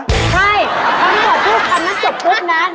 ใช่พอพูดคำนั้นจบปุ๊บนะ